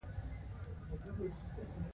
ایا ستاسو اراده به ماتیږي؟